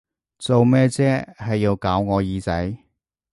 做咩啫，係要搞我耳仔！